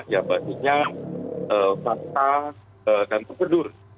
ya basisnya fakta dan prosedur